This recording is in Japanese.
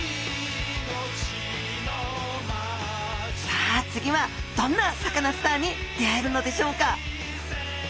さあ次はどんなサカナスターに出会えるのでしょうか？